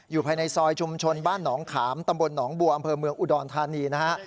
ภายในซอยชุมชนบ้านหนองขามตำบลหนองบัวอำเภอเมืองอุดรธานีนะฮะ